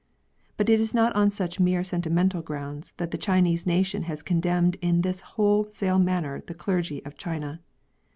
But it is not on such mere sentimental grounds that the Chinese nation has condemned in this whole sale manner the clergy of China.